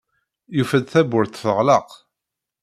Yufa-d tawwurt teɣleq.